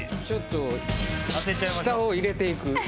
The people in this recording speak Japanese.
ちょっと舌を入れていく。